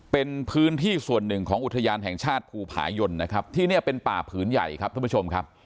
เป็นพื้นที่ส่วนหนึ่งของอุทยานแห่งชาติภูผายนนะครับที่นี่เป็นป่าผืนใหญ่ครับท่านผู้ชมครับ